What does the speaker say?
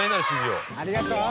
ありがとう！